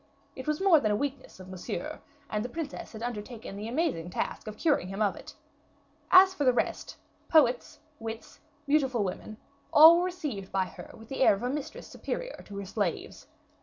It was more than a weakness of Monsieur, and the princess had undertaken the amazing task of curing him of it. As for the rest, poets, wits, beautiful women, all were received by her with the air of a mistress superior to her slaves.